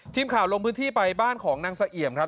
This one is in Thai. ทีมข่าวลงพื้นที่ไปบ้านของนางเสี่ยมครับ